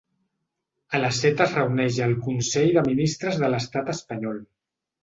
A les set es reuneix el consell de ministres de l’estat espanyol.